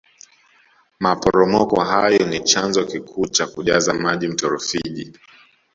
maporomoko hayo ni chanzo kikuu cha kujaza maji mto rufiji